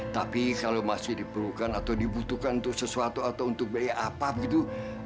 tapi kalau masih diperlukan atau dibutuhkan untuk sesuatu atau untuk biaya apa gitu